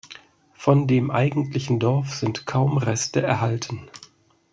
Von dem eigentlichen Dorf sind kaum Reste erhalten.